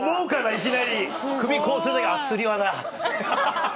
いきなり首こうしてる時「つり輪だ」。